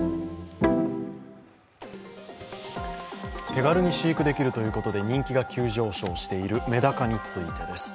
手軽に飼育できるということで人気が急上昇しているメダカについてです。